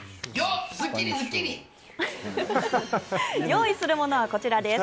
用意するものはこちらです。